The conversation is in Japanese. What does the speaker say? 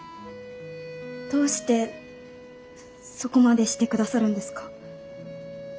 どうしてそこまでしてくださるんですか？